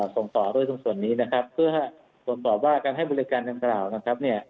ส่งต่อด้วยส่วนนี้นะครับเพื่อส่งตอบว่าการให้บริการทำกล่าวนะครับ